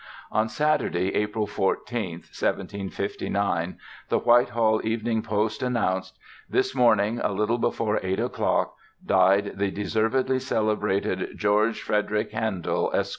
On Saturday, April 14, 1759, the Whitehall Evening Post, announced: "This morning, a little before eight o'clock, died the deservedly celebrated George Frederick Handell Esq."